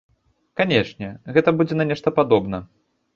Канечне, гэта будзе на нешта падобна.